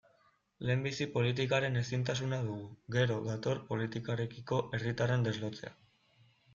Lehenbizi politikaren ezintasuna dugu, gero dator politikarekiko herritarren deslotzea.